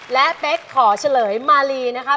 และเป๊กขอเฉลยมาลีนะครับ